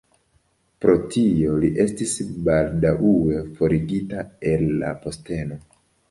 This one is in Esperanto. Pro tio li estis baldaŭe forigita el la posteno.